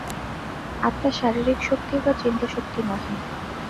আত্মা শারীরিক শক্তি বা চিন্তাশক্তি নহে।